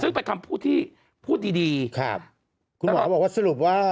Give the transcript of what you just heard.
ซึ่งเป็นคำพูดที่พูดดีดีครับคุณหมอบอกว่าสรุปว่า